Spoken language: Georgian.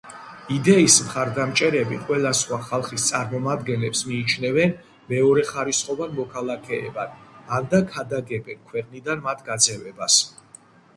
იდეის მხარდამჭერები ყველა სხვა ხალხის წარმომადგენლებს მიიჩნევენ მეორეხარისხოვან მოქალაქეებად ანდა ქადაგებენ ქვეყნიდან მათ გაძევებას.